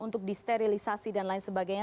untuk disterilisasi dan lain sebagainya